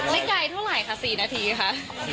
ไม่ไกลเท่าไหร่ค่ะ๔นาทีคะ